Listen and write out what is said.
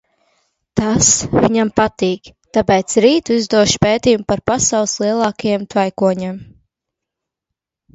Tas viņam patīk, tāpēc rīt uzdošu pētījumu par pasaules lielākajiem tvaikoņiem.